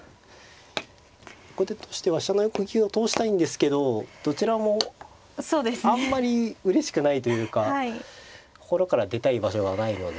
後手としては飛車の横利きを通したいんですけどどちらもあんまりうれしくないというか心から出たい場所がないので。